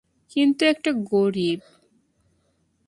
কিন্তু একটা গরীব?